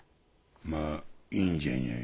まぁいいんじゃにゃい？